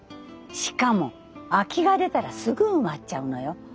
しかも空きが出たらすぐ埋まっちゃうのよ。